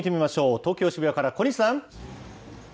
東京・渋谷から小西さん。